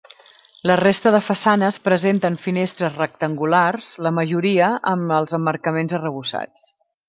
La resta de façanes presenten finestres rectangulars, la majoria amb els emmarcaments arrebossats.